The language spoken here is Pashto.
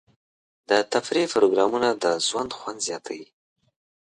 د تفریح پروګرامونه د ژوند خوند زیاتوي.